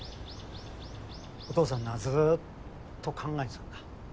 お父さんなずっと考えてたんだ。